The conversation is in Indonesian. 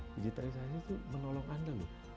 digitalisasi itu menolong anda loh